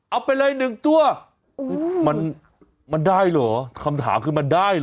เอาไปเลยหนึ่งตัวมันมันได้เหรอคำถามคือมันได้เหรอ